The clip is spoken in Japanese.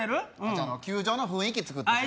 じゃあ球場の雰囲気作っときます